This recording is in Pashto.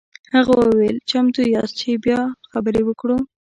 هغه وویل چمتو یاست چې بیا خبرې وکړو.